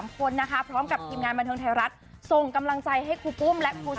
๓คนนะคะพร้อมกับกิจงานบริษัทเตือนไทยรัฐส่งกำลังใจให้ครูปุ้ม